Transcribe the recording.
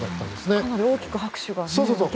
かなり大きく拍手がね。